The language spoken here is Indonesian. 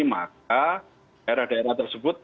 maka daerah daerah tersebut